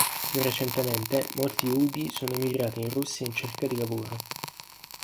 Più recentemente, molti udi sono emigrati in Russia in cerca di lavoro.